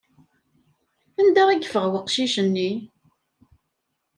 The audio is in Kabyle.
Anda i yeffeɣ weqcic-nni?